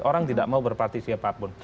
orang tidak mau berpartisipasi apapun